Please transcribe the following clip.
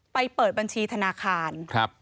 เปิดบัญชีธนาคาร